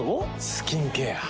スキンケア。